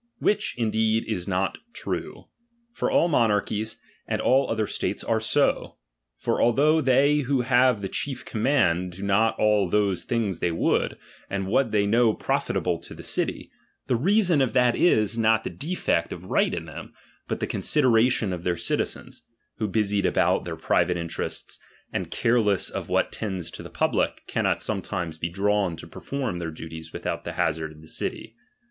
Which, indeed, is not true ; for all monarchies, and ail other states, are so. For sifhough they who have the chief command, do not all those 'liiDgs they would, and what they know profitable to the city; IHp reason of that is, not the defect of right in them, but the cnn *iileriition of tiieir citizens, who busied about their private in Isreat, and careless of what tends to the public, cannot soinetiuies lie drawn to perform their duties without the hazard of the city.